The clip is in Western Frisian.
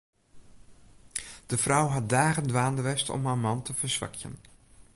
De frou hat dagen dwaande west om de man te ferswakjen.